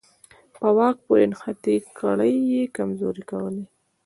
په واک پورې نښتې کړۍ یې کمزورې کولې.